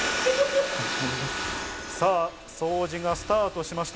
掃除がスタートしました。